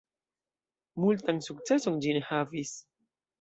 Multan sukceson ĝi ne havis.